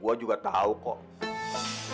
gua juga tau kok